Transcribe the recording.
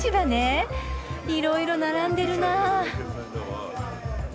いろいろ並んでるな。